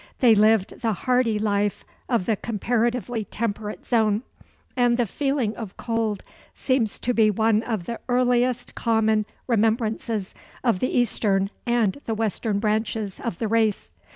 They lived the hardy life of the comparatively temperate zone; and the feeling of cold seems to be one of the earliest common remembrances of the eastern and the western branches of the race.